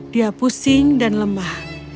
dia pusing dan lemah